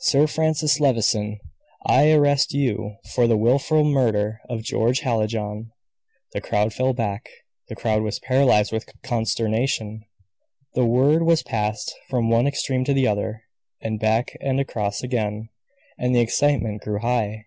Sir Francis Levison, I arrest you for the wilful murder of George Hallijohn." The crowd fell back; the crowd was paralyzed with consternation; the word was passed from one extreme to the other, and back and across again, and the excitement grew high.